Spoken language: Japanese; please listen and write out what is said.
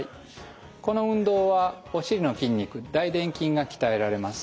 この運動はお尻の筋肉大でん筋が鍛えられます。